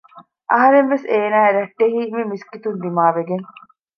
އަހަރެން ވެސް އޭނާއާއި ރައްޓެހީ މި މިސްކިތުން ދިމާ ވެގެން